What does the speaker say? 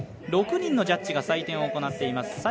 ６人のジャッジが採点を行っています。